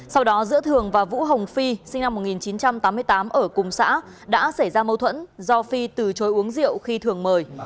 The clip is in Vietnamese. sau đó giữa thường và vũ hồng phi sinh năm một nghìn chín trăm tám mươi tám ở cùng xã đã xảy ra mâu thuẫn do phi từ chối uống rượu khi thường mời